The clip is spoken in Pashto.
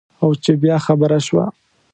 او چې بیا خبره شوه.